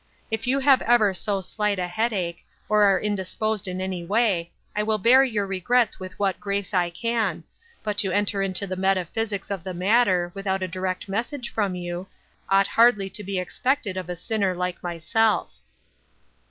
If you have ever so slight a headache, or are indis posed in any way, I will bear your regrets with what grace I can, but to enter into the metaphysics of the matter, without a direct message from you, ought hardly to be expected of a sinner like myself."